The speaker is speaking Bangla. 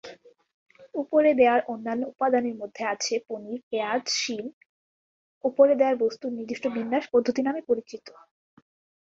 উপরে দেয়ার অন্যান্য উপাদানের মধ্যে আছে পনির, পেঁয়াজ এবং শিম; উপরে দেয়ার বস্তুর নির্দিষ্ট বিন্যাস "পদ্ধতি" নামে পরিচিত।